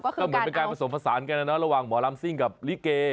ก็เหมือนเป็นการผสมผสานกันนะระหว่างหมอลำซิ่งกับลิเก